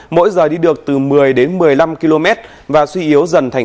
mỗi giờ đi được từ một mươi đến một mươi năm km và suy yếu dần thành